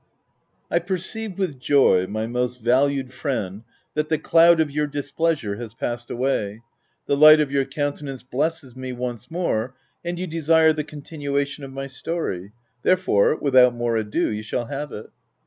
I perceive, with joy, my most valued friend, that the cloud of your displeasure has past away; the light of your countenance blesses me once more, and you desire the continuation of my story : therefore, without more ado, you shall have it.